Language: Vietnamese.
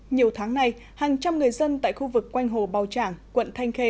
nhiều tháng nay hàng trăm người dân tại khu vực quanh hồ bào trảng quận thanh khê